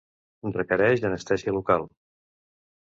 Requereix anestèsia local.